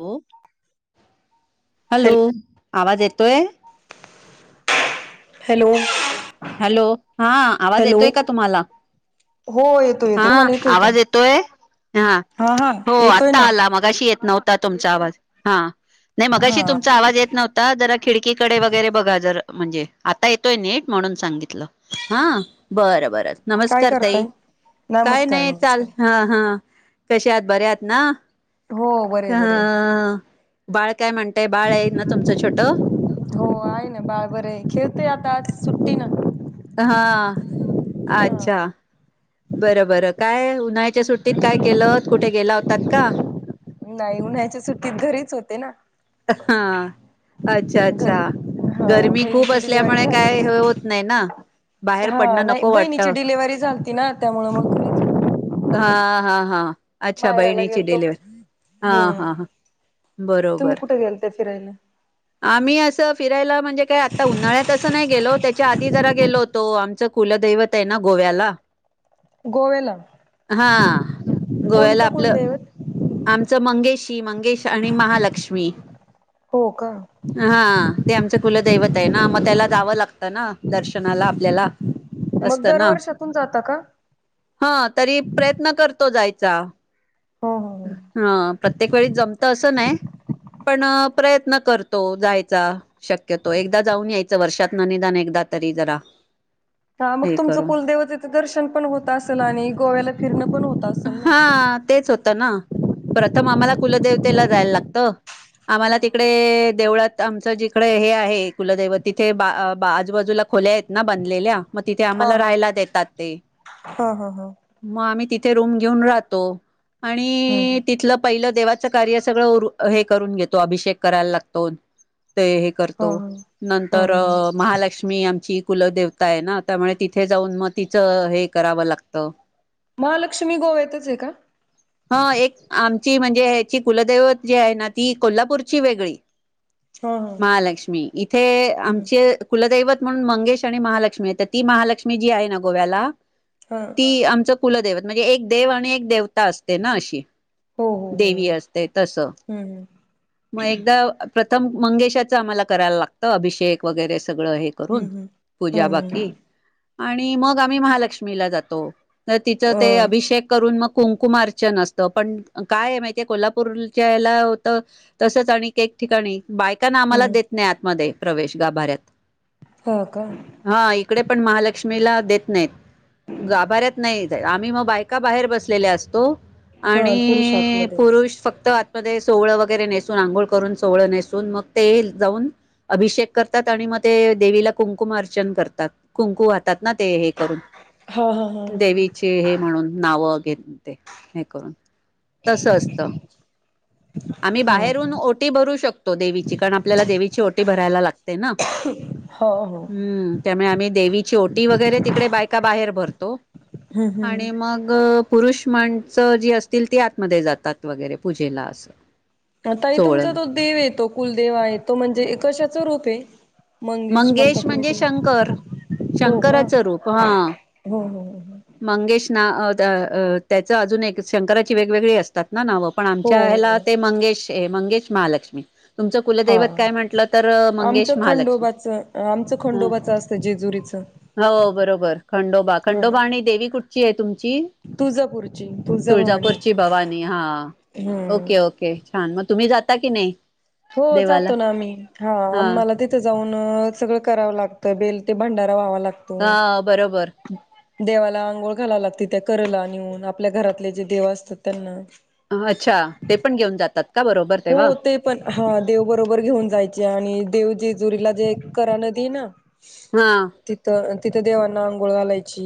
हो [inaudible] hello hello, आवाज येतोय काय? हॅलो. हॅलो, हा आवाज हॅलो येतोय का तुम्हाला? हो येतोय येतोय हा तुम्हाला येतोय का आवाज येतोय हा. हा हो येतोय आत्ता ना आला मगाशी येत नव्हता. तुमचा आवाज हा नाही हा मगाशी तुमचा आवाज येत नव्हता. आता जरा खिडकीकडे वगैरे बघा जर म्हणजे आता येतोय नीट. म्हणून सांगितलं हा बरं बरं काय नमस्कार ताई करताय काय नमस्कार नाही. चाल नमस्कार हा हा कश आत बऱ्यात ना हो बरे बर. ह बाळ काय म्हणतय. बाळ आहे ना तुमचं छोटं हो आहे. ना बा बरे खेळते आता आज सुट्टी. हा हा अच्छा. बरं बरं काय उन्हाळ्याच्या सुट्टीत काय केलं कुठे गेला होतात का? नाही उन्हायच्या सुट्टीत घरीच होते ना? ह अच्छा अच्छा घरी हा गरमी खूप बहिणीची डिलिव्हरी असल्यामुळे झाली काय ना होत नाही ना बाहेर हा पडणं नाही नको बहिणीची वाटतं डिलेिव्हरी झालती ना त्यामुळे मग. घरीच हा हा हा. अच्छा माहेराला बहिणीची गेलतो डिलव्ह हा हम्म हा तुम्ही बरोबर कुठे गेलते फिरायला. आम्ही असं फिरायला म्हणजे काय आता उन्हाळ्यात असं नाही गेलो त्याच्या आधी जरा गेलो होतो. तो आमचं कुलदैवत आहे ना गोव्याला गोव्याला हा गोव्याला कोणतं आपलं कुलदैवत आमचं मंगेशी मंगेश आणि महालक्ष्मी हो का [inaudible] हा ते आमच कुलदैवत आहे ना मग त्याला जावं लागतं ना दर्शनाला आपल्याला. मग असतं ना दरवर्षातून जाता का? हा तरी प्रयत्न करतो जायचा. हो हो हो. हा प्रत्येक वेळी जमत असं नाही [inaudible] पण प्रयत्न करतो जायचा. शक्यतो एकदा जाऊन यायचं वर्षात ना निदान एकदा तरी जरा. ह मग हे तुमचं करून कुलदेव तिथे दर्शन पण होत असेल आणि गोव्याला फिरणं पण होत असेल ना? हा [inaudible] तेच होत. ना [inaudible] प्रथम आम्हाला कुलदेवतेला जायला लागत. आम्हाला तिकडे देवळात आमचं जिकडे हे आहे कुलदैवत तिथे बा आजूबाजूला खोल्या आहेत. ना बाधलेल्या मग तिथे हा आम्हाला हा राहायला देतात ते. हा हा हा. [inaudible] मग आम्ही तिथे रूम घेऊन राहतो [inaudible] आणि हा तिथलं पहिलं देवा देवाच कार्य अभिषेक करायला लागतो. [inaudible] करतो हा [inaudible] हा नंतर हा. महालक्ष्मी. मी आमची कुलदेवता आहे ना त्यामुळे तिथे जाऊन मग तिचं हे करावं लागतं. महालक्ष्मी गोव्यातच आहे का? ह एक आमची म्हणजे ह्याची कुलदैवत जी आहे ना ती कोल्हापूरची वेगळी. हा हा [inaudible] महालक्ष्मी इथे आमचे कुलदैवत म्हणून मंगेश आणि महालक्ष्मी आहे तर ती महालक्ष्मी जी आहे ना गोव्याला. हां [inaudible] आमच कुलदेवत म्हणजे एक देव आणि एक देवता असते ना अशी हो हो हो. देवी असते तस हम्म [inaudible] मग एकदा. प्रथम मंगेशाचं आम्हाला करायला लागतं अभिषेक वगैरे सगळं आहे. करून हम्म हम्म [inaudible] पूजा हम्म बाकी आणि मग आम्ही महालक्ष्मीला जातो तर तिचं ते हम्म अ अभिषेक करून मग कुंकुमार्चअसतं पण काय माहितीे कोल्हापूरच्या याला होतं. तसच आणि एक ठिकाणी बायकांना आम्हाला हम्म. देत नाही आतमध्ये प्रवेश गाभाऱ्यात [inaudible] हो का [inaudible] हा इकडे पण महालक्ष्मीला देत नाहीत. [inaudible] गाभाऱ्यात नाही आम्ही मग बायका बाहेर बसलेल्या असतो. हा पुरुष आणि... आतमध्ये. पुरुष फक्त आता म सोहळं वगैरे नेसून आंघोळ करून सोहळं नेसून मग ते जाऊन अभिषेक करतात आणि मग ते देवीला कुंकुमार्चन करतात कुंकु वाहतात. तात ना ते हे करून, हा हा हा हा. देवीचे हे म्हणून नावं घे ते हे करून तसं असत आम्ही हा का, बाहेरून ओटी भरू शकतो देवीची, कारण आपल्याला देवीची ओटी भरायला लागते ना. हो हो हम्म [inaudible] त्यामुळे आम्ही देवीची ओटी वगैरे तिकडे बायका बाहेर भरतो हम्म हम्म. आणि मग पुरुष माणसं जी असतील ती आतमध्ये जातात वगैरे पूजेला असं आ ताई तो सोहळ तुमचा तो देव येतो कुलदेव आहे तो म्हणजे कशाच रूप आहे. म्हणता मंगेश तुम्ही म्हणजे ते शंकर हो का? शंकराचं रूप हा हो हो हो. मंगेश ना त्याच अजून एक शंकराची वेगवेगळी असतात ना नावं पण हो आमच्या ह्याला हो ते मंगेश मंगेश महालक्ष्मी. तुमचं कुलदैवत हा. काय म्हटलं तर आमचं मंगेश महालक्ष्मी. खंडोबाचं आमचं ह खंडोबाचं असतं जेजुरीचं हो बरोबर खंडोबा हा. खंडोबा आणि देवी कुठंची आहे तुमची तुळजापूरची तुळजाभवानी तुळजापूरची भवानी हा हम्म. ओके ओके छान मग तुम्ही जाता की नाही? हो देवाला जातो ना आम्ही हा आम्हाला देतो जाऊन सगळं करावं लागतं बेल ते भांडारा व्हावं लागतं हा बरोबर देवाला आंघोळ घालाव लागते त्या करला नेऊन आपल्या घरातले जे देव असतात त्यांना अच्छा ते पण घेऊन जातात का बरोबर हो तेव्हा ते पण हा देव बरोबर घेऊन जायचे आणि देव जेजुरीला जे करा नदी हाय ना हा तिथं तिथं देवांना आंघोळ घालायची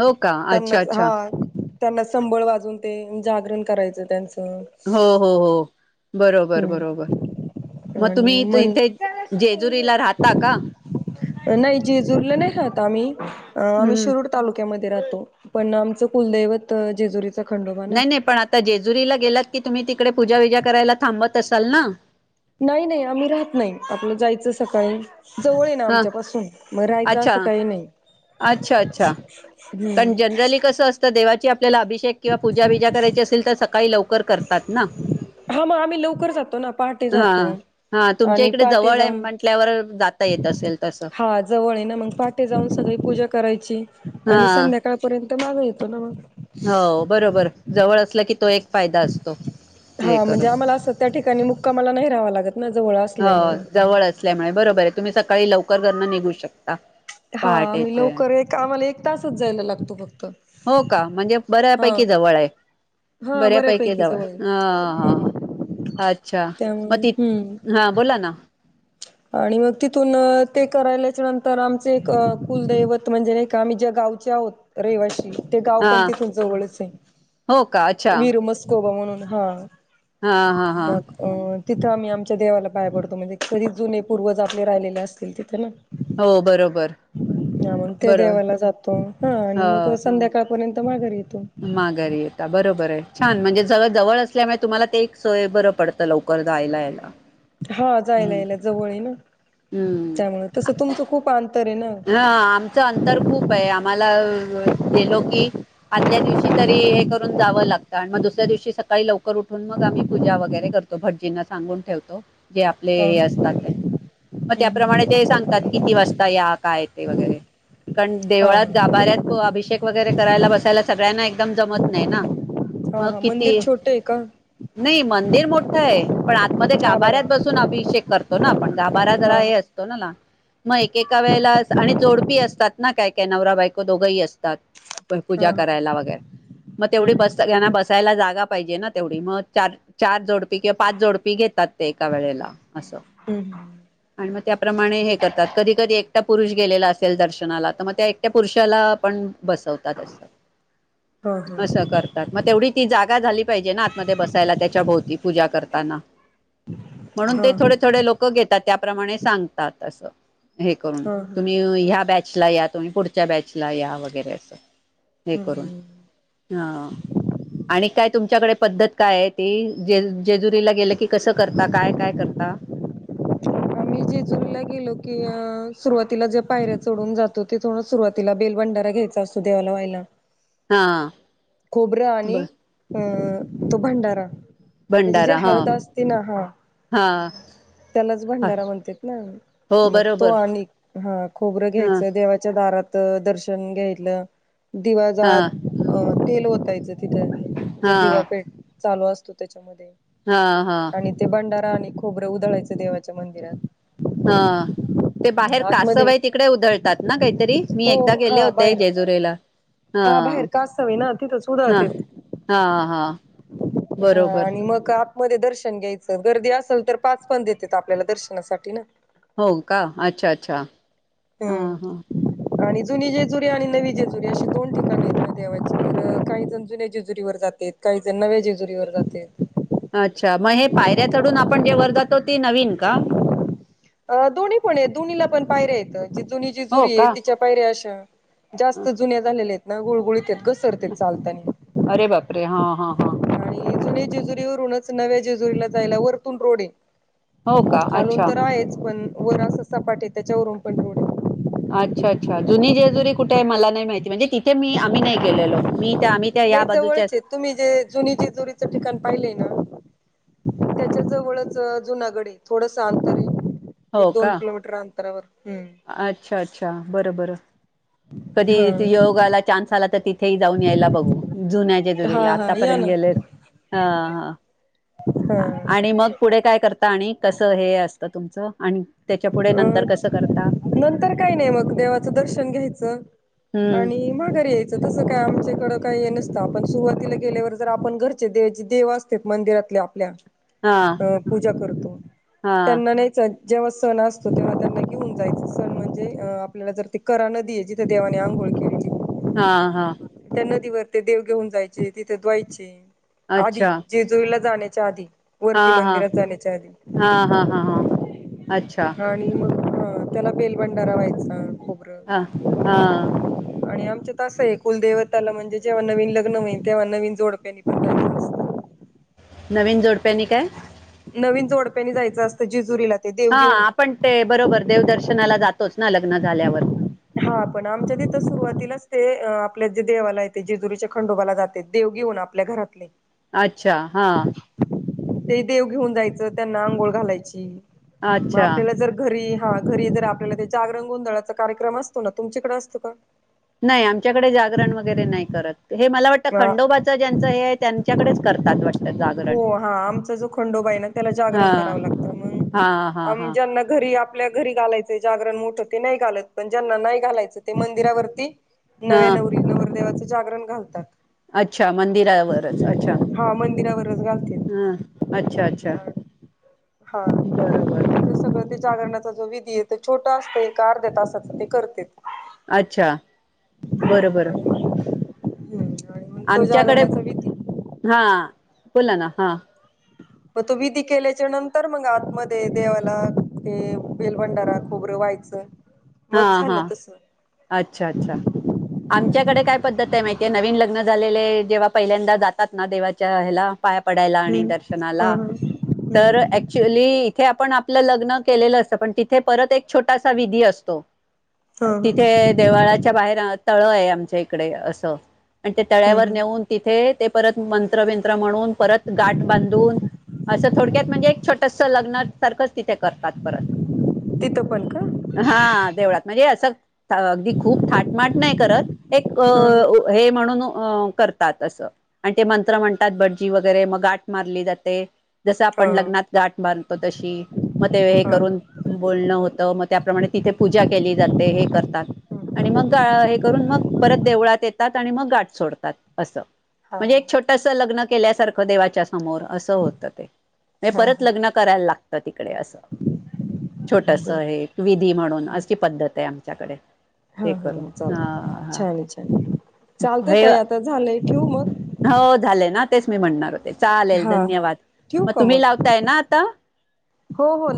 हो का अच्छा अच्छा हा त्यांना संबळ वाजून ते जागरण करायचं त्यांचं हो हो हो बरोबर बरोबर मग तुम्ही आणि मन इथे जेजुरीला राहता का? [inaudible] नाही जेजूरीला नाही राहत आम्ही आम्ही हम्म शिरूड, तालुक्यामध्ये राहतो पण आमच कुलदैवत जेजुरी. नाही नाही पण आता जेजुरीला गेलात की, तुम्ही तिकडे पूजा विजा करायला थांबत असाल ना. नाही नाही आम्ही राहत नाही आपलं जायचं सकाळी जवळ हाय ना हा आमच्या पाासून मग राहायचं अच्छा असं काही नाही अच्छा अच्छा कारण हम्म जनरली कसं असतं देवाची आपल्याला अभिषेक किंवा पूजा बिजा करायची असेल तर सकाळी लवकर, करतात ना हा मग आम्ही लवकर जातो ना पहाटे हा जातो हा तुमच्या आणि इकडे पहाटे जवळ जाऊन म्हटल्यावर जात येत असेल तसं हा जवळ आहे ना मग पहाटे जाऊन सगळी पूजा करायची आणि हा संध्याकाळपर्यंत मागे येतो ना मग. हो बरोबर जवळ असलं की तो एक फायदा असतो. हे हा म्हणजे करून आम्हाला अस त्या ठिकाणी मुक्कामाला नाही राहावा लागत ना जवळ हो असल्यामुळे. जवळ असल्यामुळे बरोबर आहे तुम्ही सकाळी लवकर घरन निघू शकता. हा आम्ही पहाटेचे लवकर एक आम्हाला एक तासच जायला लागतो फक्त हो का म्हणजे हा बऱ्यापैकी जवळ आहे. बऱ्यापैकी जवळ ह ह अच्छा मग त्यामुळे ती हम्म हा बोला ना, आणि मग तिथून ते करायल्याच्या नंतर आमचे एक कुलदैवत म्हणजे आम्ही ज्या गावचे आहोत रहिवाशी ते गाव हा पण तिथ जवळच हो का आहे अच्छा वीर मस्कोबा म्हणून हा हा हा हा मग अ तिथं आम्ही आमच्या देवाला पाया पडतो म्हणजे, कधी जुने पूर्वज आपले राहिलेले असतील तिथं ना हो बरोबर ह मग ते बरोबर देवाला जातो हा आणि मग हो संध्याकाळ पर्यंत माघारी येतो. माघारी येता बरोबर आहे छान म्हणजे जवळ जवळ असल्यामुळे तुम्हाला ते एक सोय बरं पडत. लवकर जायला यायला. हा जायला हम्म यायला जवळ आहे ना हम्म त्यामुळे तसं तुमचं खूप अंतर आहे ना. ह आमचं अंतर खूप आहे आम्हाला गेलो की, आदल्या दिवशी तरी हे करून जावं लागतं आणि मग दुसऱ्या दिवशी सकाळी लवकर उठून मग आम्ही पूजा वगैरे करतो भटजींना सांगून ठेवतो. जे आपले हा हे असतात मग त्याप्रमाणे हम्म ते सांगतात किती वाजता या काय ते वगैरे कारण हा देवळात हा गाभाऱ्यात अभिषेक वगैरे करायला बसायला सगळ्यांना एकदम जमत नाही ना. हा मग हा मंदिर किती छोट आहे का? नाही मंदिर मोठं आहे पण आतमध्ये का गाभाऱ्यात बरं बसून अभिषेक करतो ना आपण गाभऱा हा जरा हा हे अस मग एकेका वेळेला आणि जोडपी असतात ना काय काय नवरा बायको दोघंही असतात, पूजा हा हा करायला वगैरे मग तेवढी हम्म बसना बसायला जागा पाहिजे ना तेवढी मग चार चार जोडपी किंवा पाच जोडपी घेतात ते एका वेळेला असं. हम् ह आणि मग त्याप्रमाणे हे करतात कधी कधी एकटा पुरुष गेलेला असेल दर्शनाला तर मग त्या त्या पुरुषाला पण बसवतात असतं. हा हा असं करतात मग तेवढी ती जागा झाली पाहिजे ना आतमध्ये बसायला त्याच्या भोव ती पूजा करताना म्हणून ते हा हा थोडे थोडे लोक घेतात त्या प्रमाणे सांगतात अस हे करून हा हा तुम्ही या बॅट या तुम्ही पुढच्या बॅचला या वगैरे अस हे करून हम्म ह आणि काय तुमच्याकडे पद्धत काय आहे ती ज जेजुरीला गेलं की कसं करता काय काय करता? [unintelligible] आम्ही जेजूरीला गेलो की सुरुवातीला जे पायऱ्या चडून जातो ते थोडं सुरवातला बेल भंडारा घेतो- सू देवाला व्हायला. [unintelligible] खोबरं ब आणि अं तो भंडारा म्हणजे जे भंडारा हा हळद असते ना हा हा त्यालाच हा भंडारा म्हणतेत ना. हो मग तो बरोबर आणि हा खोबरं हा घ्यायचं देवाच्या दारात दर्शन घ्यायलं हा दिवाजात तेल ओतायचं तिथ ज हा दिवापेठ चालू असतो त्याच्यामध्ये हा हा आणि ते भंडारा आणि खोबरं उधळायचं देवाच्या मंदिरात हा ते बाहेर कासव आतमध्ये आहे तिकडे उधळतात ना काहीतरी मी हो एकदा गेले हा होते बाहेर जेजुरेला हा बाहेर कासव ना तिथंच हा उदळतेत हा हा हा बरोबर आणि मग मध्ये दर्शन घ्यायचं गर्दी असेल तर पाच पण देतेेत आपल्याला दर्शनासाठी ना हो का अच्छा अच्छा हह हम्म हा आणि जुनी जेजुरी आणि नवी जेजुरी अशी दोन ठिकाणी आहेत म देवाची काही जण जुन्या जेजुरीवर जातात, काही जण नव्या जेजुरीवर जात्यात. अच्छा मग हे पायऱ्याचडून आपण जे वर जातो ते नवीन का? दोन्ही पण आहे दोननीला पण पायऱ्या येत जुनी जी हो जेजुरी आहे का तिच्या पायऱ्या अशा अ, जास्त जुन्या झालेल्या आहेत ना गुळगुळीत घसरत चालताना. अरे बापरे हा हा हां जु जेजुरीवरूनच नव्या जेजुरी ला जायला वरतून रोडंग. हो का खालून अच्छा तर आहेच पण वर अस सपाट आहे त्याच्यावरून पण रोडे. अच्छा अच्छा जुनी जेजुरी कुठे आहे मला नाही माहिती म्हणजे तिथे मी आम्ही नाही गेलेलो. मी तर आम् नाही जवळच तुम्ही जे जुनी जेजोरीचं ठिकाण पाहिलंय ना. त्याच्या जवळच जुनागड आहे थोडस अंतर आहे एक हो दोन का किलोमीटर अंतरावर. हम्म अच्छा अच्छा बरं बरं कधी योगाला चान्स आला तर तिथ तेही जाऊन यायला बघू जुन्या हा जजोरीला हा हा या आतापर्यंत ना. गेलेस ह हा आणि मग पुढे काय करता आणि कसं हे असतं तुमचं आणि त्याच्या पुढे अ नंतर कसं करत. नंतर काही नाही मग देवाचं दर्शन घ्यायचं हम्म आणि माघर यायचं तसं काय आमच्याकड काही नसतं आपण सुरवातीला गेल्यावर जर आपण घरचे दे देव. मंदिरातल्या आपल्या हा अ पूजा करतो हा त्यांना नाहीच जेव्हा सण असतो. सो तेव्हा त्यांना घेऊन जायच सण म्हणजे अ आपल्याला जर ती करा नदी आहे जिथे देवाने आंघोळ केली. हा हा त्या नदीवर ते देव घेऊन जायचे तिथे धुवायचे आधी अच्छा जेजुईला जाण्याच्या आधी वरती मंदिरात जाण्याच्या आधी हां हां हां हां अच्छा. आणि मग हा त्याला बेलभंडारा व्हायचा खूप ह हा आणि आमच्या तसं आहे कुलदेवताला म्हणजे जेव्हा नवीन लग्न होईल तेव्हा नवीन जोडप्यानी पण असतं. नवीन जोडप्यानी काय? नवीन जोडप्यानी जायचं असतं जेजुरीला ते देव हा घेऊन आपण ते बरोबर देवदर्शनाला जातोच ना लग्न झाल्यावर हा पण आमच्या तिथं सुरुवातीलाच ते आपल्या जे देवाला येते जेजुरीच्या खंडोबाला जाते. देवगेऊन आपल्या घरातले अच्छा हा ते देव घेऊन जायचं त्यांना आंघोळ घालायची. मग अच्छा आपल्याला जर घरी हा घरी जर आपल्याला ते जागर गोंधळाचा कार्यक्रम असत. ना तुमच्याकडे असतं का? नाही आमच्याकडे जागरण वगैरे नाही करत हे मला वाट. ट अ खंडोबाच ज्यांचं हे त्यांच्याकडेच करतात वाटत जागरण त्या हा जारण कराव लागत हा हा हा ज्यांना घरी आपल्या घरी घालायच जागरण मोठ ते नाही घालत पण ज्यांना नाही घालायचं ते मंदिरावरती नव्या हा नवरी नवरदेवाचे जागरण घालतात. अच्छा मंदिरावरच अच्छा. हा मंदिरावरच घालते. हां अच्छा अच्छा. हा बरोबर ते सगळं ते जागरणाचा जो विधी आहे त छोट असत कार देत असत ते करते. अच्छा बरं बरं. आणि मग हम्म आणि मग तो आमच्याकडे जागरणाचा विधी हा बला ना हा. पग तो विधी केल्याच्या नंतर मग आतमध्ये देवाला ते बेलभंडारा खोबरं व्हायचं. हा मग हा झालं तस अच्छा अच्छा आमच्याकडे हम्म काय पद्धत आहे माहितीये नवीन लग्न झालेले जेव्हा पहिल्यांदा जातात ना देवाच्या ह्याला पाया पडायला आणि हम्म हा दर्शनाला हा तर हम्म क्चुली इथे आपण आपलं लग्न केलेलं असत पण तिथे परत एक छोटासा विधी असतो हा हा हम्म तिथे देवाळाच्या बाहेर तळ आहे आमच्या इकडे असं आणि ते तळ्यावर हम्म नेऊन तिथे ते परत मंत्र बंत्र म्हणून परत गाठ बांधून असं थोडक्यात म्हणजे एक छोटस लग्न सारखंच तिथे करतात परत तिथं पण का हा देवळात म्हणजे असं अगदी खूप थाटमाट नाही करत एक हा हे म्हणून करतात असं आणि ते मंत्र म्हणतात बटजी वगैरे मग गाठ मारली जाते जसं हा आपण लग्नात गाठ बारतो तशी मग ते हे हा हा करून बोलणं होतं मग त्याप्रमाणे तिथे पूजा केली जाते हे करतात आणि मग गा हे करून मग परत देवळात येतात आणि मग गाठ सोडतात असं हा हा म्हणजे एक छोटस लग्न केल्यासारखं देवाच्या समोर असं होतं ते म्हज हा परत हा लग्न करा लागत त छ बर म्हणून हा अशी पद्धत आहे आमच्याकडे हा ते हा करून ह चालत छान आहे छान हा चालतय हे त आता झालंय ठेव मग हो झाले ना तेच मी म्हणणार होते चालेल हा हा धन्यवाद ठेवू मग का तुम्ही लावताय ना आता हो हो